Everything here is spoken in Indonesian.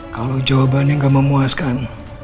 kalau jawabannya gak memuaskan